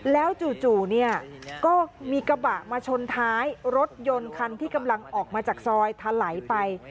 แล้วจู่เนี่ยก็มีกระบะมาชนท้ายรถยนต์คันที่กำลังออกมาจากซอยทะไหลไป